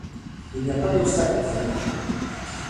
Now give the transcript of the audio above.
Il n’y a pas d’obstacles pour nous !